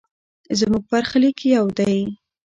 زموږ برخلیک یو دی.